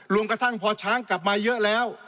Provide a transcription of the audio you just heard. รวมกระทั่งพอช้างกลับมาเยอะแล้ว